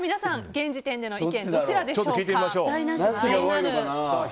現時点でのご意見はどちらでしょうか。